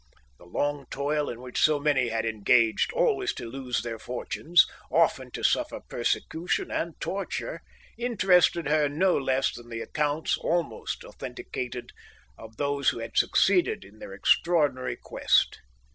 The long toil in which so many had engaged, always to lose their fortunes, often to suffer persecution and torture, interested her no less than the accounts, almost authenticated, of those who had succeeded in their extraordinary quest.